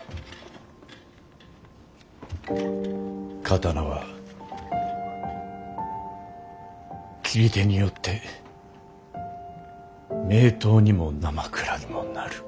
刀は斬り手によって名刀にもなまくらにもなる。